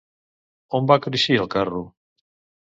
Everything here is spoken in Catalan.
On va cruixir el carro?